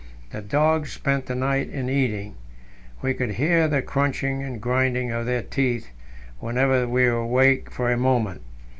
The dogs spent the night in eating; we could hear the crunching and grinding of their teeth whenever we were awake for a moment.